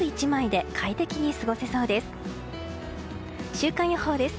週間予報です。